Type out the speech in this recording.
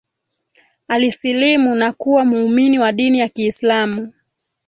alisilimu na kuwa muumini wa dini ya kiislamu